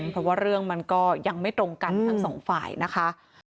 เพราะว่าเรื่องมันก็ยังไม่ตรงกันทั้งสองฝ่ายนะคะ